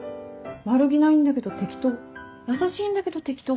悪気ないんだけど適当優しいんだけど適当。